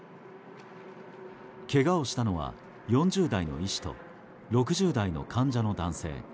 けがをしたのは４０代の医師と６０代の患者の男性。